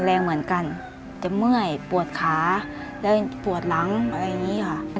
แรงเหมือนกันจะเมื่อยปวดขาได้ปวดหลังอะไรอย่างนี้ค่ะ